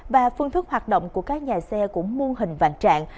và phương thức hoạt động của các nhà xe cũng muôn hình vạn trạng